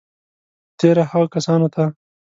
په تېره هغو کسانو ته